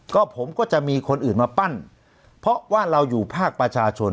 ก็ผมก็จะมีคนอื่นมาปั้นเพราะว่าเราอยู่ภาคประชาชน